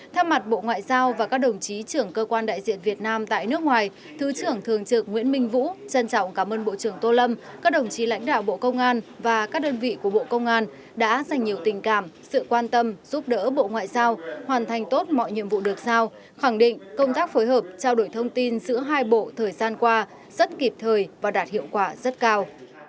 theo mặt bộ ngoại giao và các đồng chí trưởng cơ quan đại diện việt nam tại nước ngoài thứ trưởng thường trực nguyễn minh vũ trân trọng cảm ơn bộ trưởng tô lâm các đồng chí lãnh đạo bộ công an và các đơn vị của bộ công an đã dành nhiều tình cảm sự quan tâm giúp đỡ bộ ngoại giao hoàn thành tốt mọi nhiệm vụ được sao khẳng định công tác phối hợp trao đổi thông tin giữa hai bộ thời gian qua rất kịp thời và đạt hiệu quả rất cao